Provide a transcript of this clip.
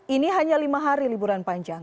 ini hanya lima hari liburan panjang